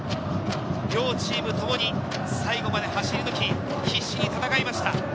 両チームともに最後まで走り抜き、必死に戦いました。